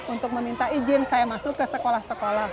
untuk meminta izin saya masuk ke sekolah sekolah